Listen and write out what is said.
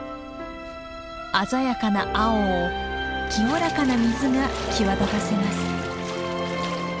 鮮やかな青を清らかな水が際立たせます。